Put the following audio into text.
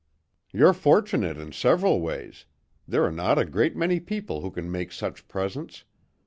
"You're fortunate in several ways; there are not a great many people who can make such presents.